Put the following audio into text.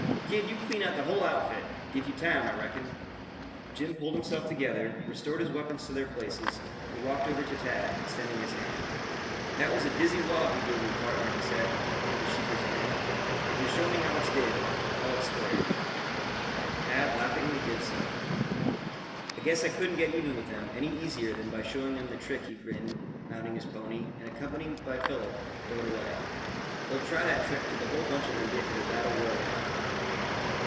Kid, you'd clean out the whole outfit, give you time, I reckon." Jim pulled himself together, restored his weapons to their places, and walked over to Tad, extending his hand. "That was a dizzy wallop ye give me, pardner," he said, with a sheepish grin. "If ye'll show me how it's did, I'll call it square." Tad laughingly did so. "I guess I couldn't get even with them any easier than by showing them the trick," he grinned, mounting his pony, and accompanied by Philip rode away. "They'll try that trick till the whole bunch of them get into a battle royal."